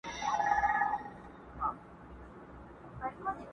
زړه به درکوم ته به یې نه منې.!